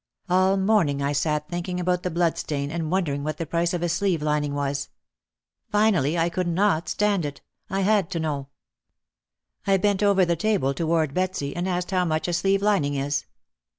All morning I sat thinking about the blood stain and wondering what the price of a sleeve lining was. Finally I could not stand it. I had to know. I bent over the table toward Betsy and asked how much a sleeve lining is.